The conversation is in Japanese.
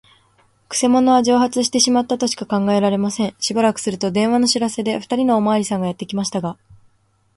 くせ者は蒸発してしまったとしか考えられません。しばらくすると、電話の知らせで、ふたりのおまわりさんがやってきましたが、